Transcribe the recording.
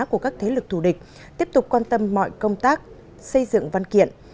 của các thế lực thù địch tiếp tục quan tâm mọi công tác xây dựng văn kiện